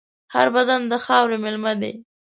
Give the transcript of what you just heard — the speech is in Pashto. هر بدن د خاورې مېلمه دی.